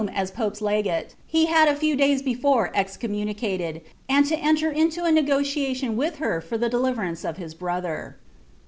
as [x^'i legate, he had a Tew day* before excornniunieateU, and U> enier into t Re|;otialion with her for ihe deliverance of his brother.'